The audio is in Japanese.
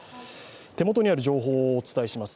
手元にある情報をお伝えします。